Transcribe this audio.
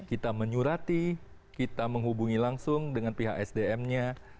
kita menyurati kita menghubungi langsung dengan pihak sdm nya